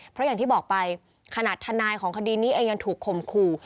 เพราะอย่างที่บอกไปขนาดทนายของคดีนี้เองยังถูกข่มขู่